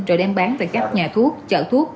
rồi đem bán về các nhà thuốc chợ thuốc